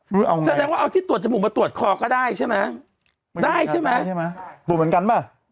แสดงว่าเอาที่ตรวจจมูกมาตรวจคอก็ได้ใช่ไหมได้ใช่ไหมใช่ไหมตรวจเหมือนกันป่ะ